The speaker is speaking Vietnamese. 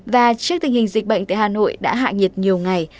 và trước tình hình dịch bệnh tại hà nội đã hạ nhiệt nhiều ngày